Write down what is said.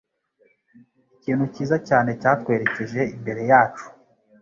Ikintu cyiza cyane cyatwerekeje imbere yacu.